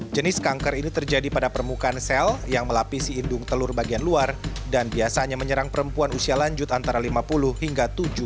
jenis kanker ini terjadi pada permukaan sel yang melapisi indung telur bagian luar dan biasanya menyerang perempuan usia lanjut antara lima puluh hingga tujuh belas